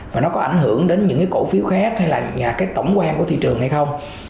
và nó có ảnh hưởng đến những cái cổ phiếu khác hay là cái tổng quan của thị trường hay không